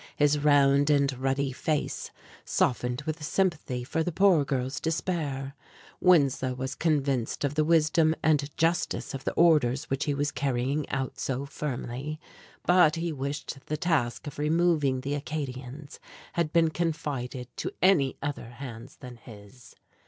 His round and ruddy face softened with sympathy for the poor girl's despair. Winslow was convinced of the wisdom and justice of the orders which he was carrying out so firmly; but he wished the task of removing the Acadians had been confided to any other hands than his.